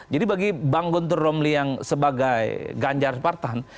jadi bagi bang gunter romli yang sebagai ganjar spartan